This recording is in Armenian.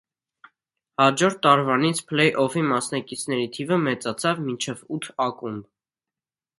Հաջորդ տարվանից փլեյ օֆֆի մասնակիցների թիվը մեծացավ մինչև ութ ակումբ։